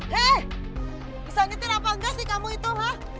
hei bisa ngitir apa enggak sih kamu itu ha